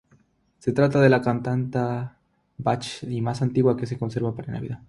Se trata de la cantata de Bach más antigua que se conserva para Navidad.